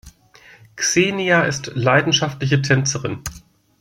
Xenia ist leidenschaftliche Tänzerin.